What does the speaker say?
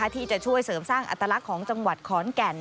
ที่จะช่วยเสริมสร้างอัตลักษณ์ของจังหวัดขอนแก่น